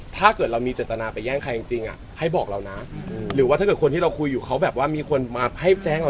เมื่อกี้เราก็ไม่รู้ว่าคนที่เราคุยมันมีแฟนหรือเปล่า